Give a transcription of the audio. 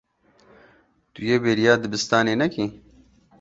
Tu yê bêriya dibistanê nekî.